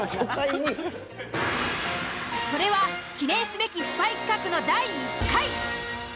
それは記念すべきスパイ企画の第１回。